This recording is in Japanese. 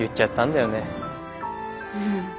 うん。